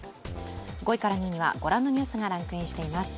５位から２位にはご覧のニュースがランクインしています。